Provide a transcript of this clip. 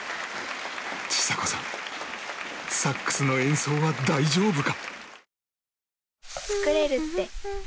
ちさ子さんサックスの演奏は大丈夫か？